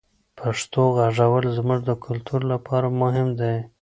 پښتو غږول زموږ د کلتور لپاره مهم دی.